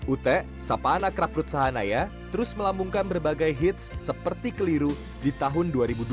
ut sapa anak rakrut sahanaya terus melambungkan berbagai hits seperti keliru di tahun dua ribu dua puluh